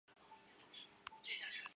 子刘景素承袭王位。